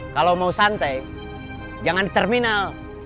kalau mau santai jangan di terminal